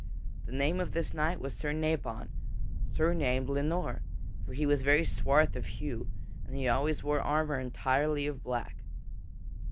The name of this knight was Sir Nabon, surnamed le Noir; for he was very swarth of hue, and he always wore armor entirely of black.